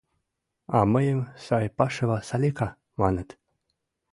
— А мыйым Сайпашева Салика маныт.